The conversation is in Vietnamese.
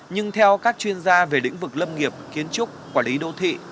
nhưng theo các chuyên gia về lĩnh vực lâm nghiệp kiến trúc quản lý đô thị